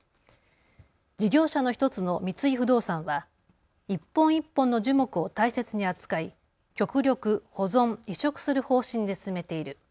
事業者の１つの三井不動産は一本一本の樹木を大切に扱い極力、保存、移植する方針で進めている。